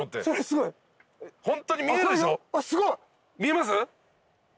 すごい！見えます？